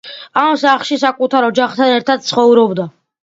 ამ სახლში საკუთარ ოჯახთან ერთად ცხოვრობდა.